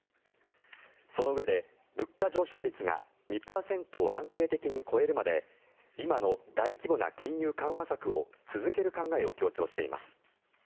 そのうえで物価上昇率が２％を安定的に超えるまで今の大規模な金融緩和策を続ける考えを強調しています。